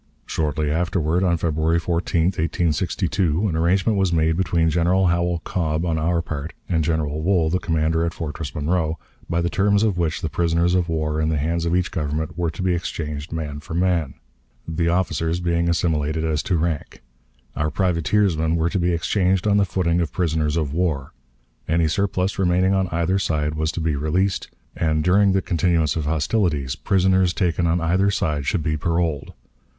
Shortly afterward, on February 14, 1862, an arrangement was made between General Howell Cobb on our part and General Wool, the commander at Fortress Monroe, by the terms of which the prisoners of war in the hands of each Government were to be exchanged man for man, the officers being assimilated as to rank; our privateersmen were to be exchanged on the footing of prisoners of war; any surplus remaining on either side was to be released; and during the continuance of hostilities prisoners taken on either side should be paroled.